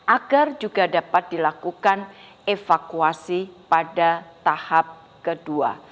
agar juga dapat dilakukan evakuasi pada tahap kedua